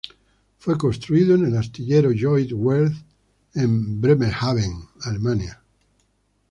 Fue construido en el astillero Lloyd Werft en Bremerhaven, Alemania.